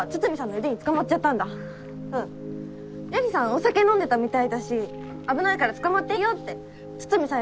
お酒飲んでたみたいだし「危ないからつかまっていいよ」って筒見さん